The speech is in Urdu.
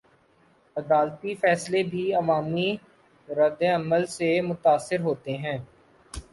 عدالتی فیصلے بھی عوامی ردعمل سے متاثر ہوتے ہیں؟